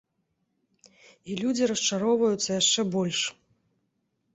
І людзі расчароўваюцца яшчэ больш.